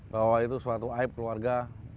bahwa itu suatu aib keluarga